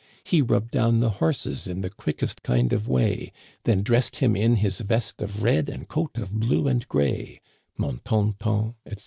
He rubbed down the horses in the quickest kind of way ; Then dressed him in his vest of red and coat of blue and gray : Mon ton ton, etc.